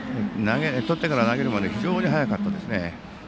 とってから投げるまでが非常に早かったですね。